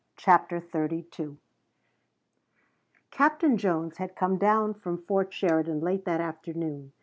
CHAPTER XXXII Captain Jones had come down from Fort Sheridan late that afternoon.